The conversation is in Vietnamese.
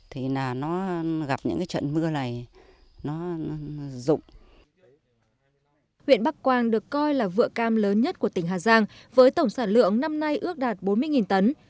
huyện bắc quang được coi là vựa cam lớn nhất của tỉnh hà giang với tổng sản lượng năm nay ước đạt bốn mươi tấn